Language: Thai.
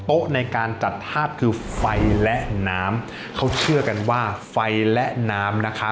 ในการจัดทาบคือไฟและน้ำเขาเชื่อกันว่าไฟและน้ำนะคะ